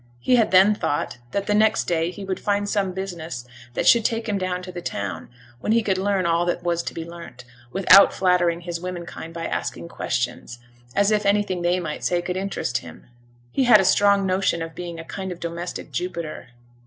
He had then thought that the next day he would find some business that should take him down to the town, when he could learn all that was to be learnt, without flattering his womankind by asking questions, as if anything they might say could interest him. He had a strong notion of being a kind of domestic Jupiter.